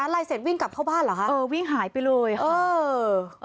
ไล่เสร็จวิ่งกลับเข้าบ้านเหรอคะเออวิ่งหายไปเลยเออ